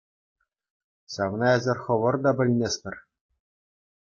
Ҫавна эсӗр хӑвӑр та пӗлместӗр!